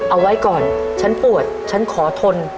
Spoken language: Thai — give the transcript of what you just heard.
เอาไว้ก่อนฉันปวดฉันขอทน